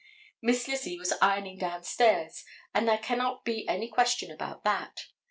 Miss Lizzie was ironing downstairs, and there cannot be any question about that.